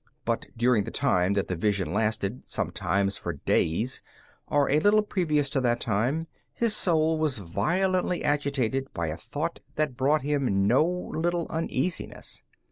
But during the time that the vision lasted, sometimes for days, or a little previous to that time, his soul was violently agitated by a thought that brought him no little uneasiness.